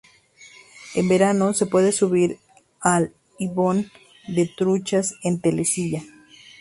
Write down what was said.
En verano se puede subir al ibón de Truchas en telesilla.